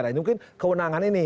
nah ini mungkin kewenangan ini